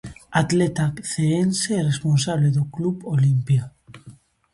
Atleta ceense e responsable do club Olimpia.